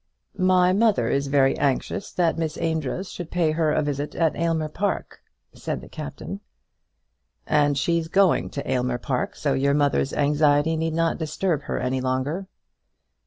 "My mother is very anxious that Miss Amedroz should pay her a visit at Aylmer Park," said the Captain. "And she's going to Aylmer Park, so your mother's anxiety need not disturb her any longer."